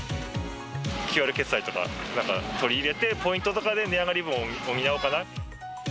ＱＲ決済とかやっぱ取り入れて、ポイントとかで値上がり分を補おうかな。